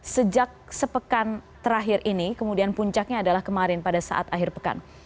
sejak sepekan terakhir ini kemudian puncaknya adalah kemarin pada saat akhir pekan